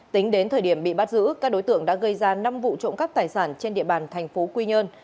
tính đến thời điểm bị bắt giữ các đối tượng đã gây ra năm vụ trộm cắp tài sản trên địa bàn thành phố quy nhơn